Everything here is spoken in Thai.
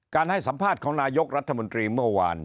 ให้สัมภาษณ์ของนายกรัฐมนตรีเมื่อวาน